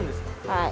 はい。